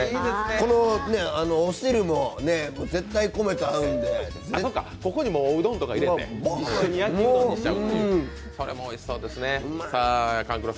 このお汁も絶対米と合うので、そうか、ここにおうどんとか入れて一緒にやきうどんにしちゃう。